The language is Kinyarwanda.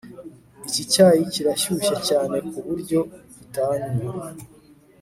Iki cyayi kirashyushye cyane ku buryo utanywa